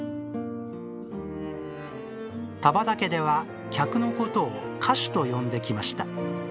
田畑家では、客のことを華主と呼んできました。